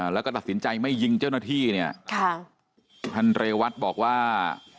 แล้วก็ตัดสินใจไม่ยิงเจ้าหน้าที่เนี่ยค่ะท่านเรวัตบอกว่า